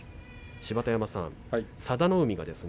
芝田山さん、佐田の海がですね